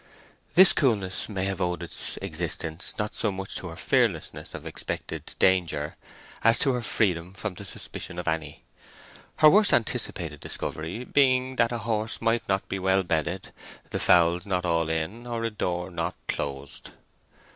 This coolness may have owed its existence not so much to her fearlessness of expected danger as to her freedom from the suspicion of any; her worst anticipated discovery being that a horse might not be well bedded, the fowls not all in, or a door not closed.